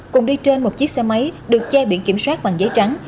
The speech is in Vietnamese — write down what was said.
cùng đi trên một chiếc xe máy được che biển kiểm soát bằng giấy trắng